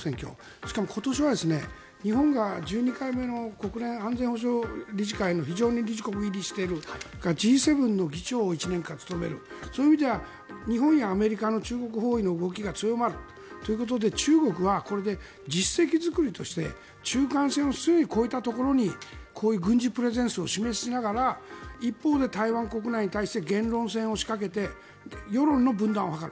しかも、今年は日本が１２回目の国連安全保障理事会の非常任理事国入りしているあとはＧ７の議長国を務めるそういう意味では日本やアメリカの中国包囲の動きが強まるということで中国はこれで実績作りとして中間線を越えたところにこういう軍事プレゼンスを示しながら一方で台湾国内に対して言論戦を仕掛けて世論の分断を図る。